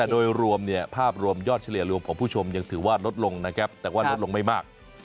โดยรวมภาพรวมยอดเฉลี่ยรวมของผู้ชมยังถือว่าลดลงนะครับแต่ว่าลดลงไม่มาก